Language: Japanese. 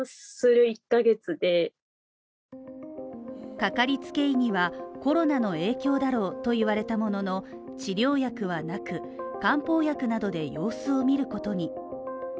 かかりつけ医にはコロナの影響だろうと言われたものの治療薬はなく、漢方薬などで様子を見ることに。